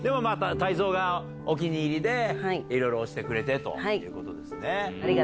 泰造がお気に入りでいろいろ推してくれてということですね。